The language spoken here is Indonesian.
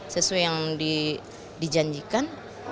sesuai yang dijanjikan